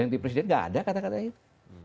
ganti presiden gak ada kata kata itu